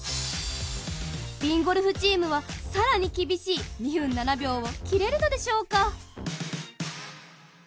ＢＩＮＧＯＬＦチームは更に厳しい２分７秒を切れるのでしょうか？